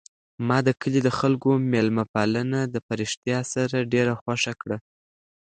ما د کلي د خلکو مېلمه پالنه په رښتیا سره ډېره خوښه کړه.